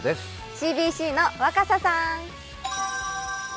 ＣＢＣの若狭さん。